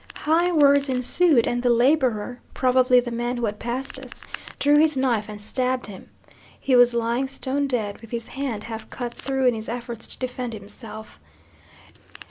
High words ensued, and the labourer (probably the man who had passed us) drew his knife and stabbed him. He was lying stone dead, with his hand half cut through in his efforts to defend himself.